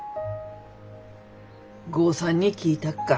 豪さんに聞いたっか。